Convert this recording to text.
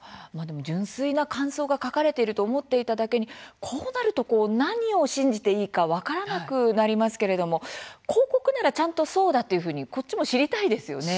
純粋な感想が書かれていると思っていただけにこうなると何を信じていいか分からなくなりますけれども広告ならちゃんとそうだというふうにこっちも知りたいですよね。